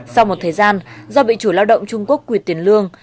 sau một thời gian do bị chủ lao động trung quốc quyệt tiền lương